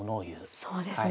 そうですね。